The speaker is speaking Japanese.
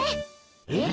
えっ？